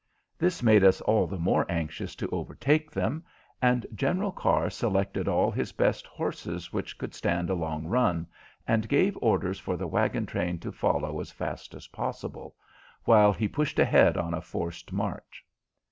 This made us all the more anxious to overtake them, and General Carr selected all his best horses which could stand a long run, and gave orders for the wagon train to follow as fast as possible, while he pushed ahead on a forced march.